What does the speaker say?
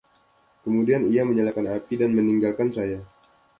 Kemudian ia menyalakan api dan meninggalkan saya.